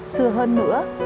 xưa hơn nữa